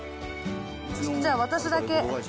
じゃあ、私だけ。